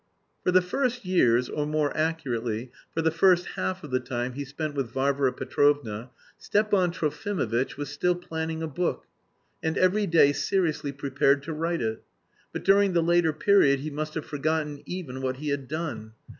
For the first years or, more accurately, for the first half of the time he spent with Varvara Petrovna, Stepan Trofimovitch was still planning a book and every day seriously prepared to write it. But during the later period he must have forgotten even what he had done.